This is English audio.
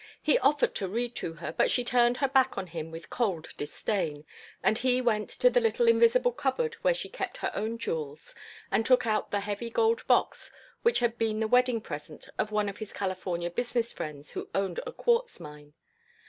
He offered to read to her, but she turned her back on him with cold disdain, and he went to the little invisible cupboard where she kept her own jewels and took out the heavy gold box which had been the wedding present of one of his California business friends who owned a quartz mine.